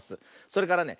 それからね